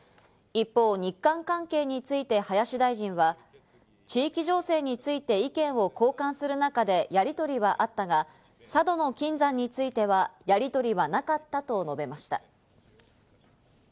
一方、日韓関係について林大臣は地域情勢について意見を交換する中でやりとりはあったが、佐渡島の金山についてはやりとりはなかったと述べました。